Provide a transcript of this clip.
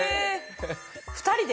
２人で？